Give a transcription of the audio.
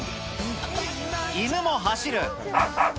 犬も走る。